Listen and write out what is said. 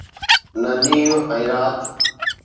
نه ڏينهن ۽ رات